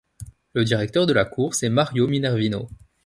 Le directeur de la course est Mario Minervino.